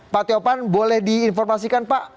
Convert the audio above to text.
pak tiopan boleh diinformasikan pak